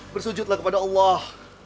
bersujudlah kepada allah